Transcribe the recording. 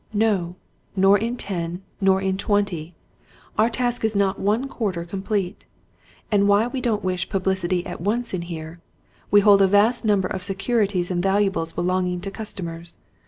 No nor in ten, nor in twenty! Our task is not one quarter complete! And why we don't wish publicity at once in here we hold a vast number of securities and valuables belonging to customers.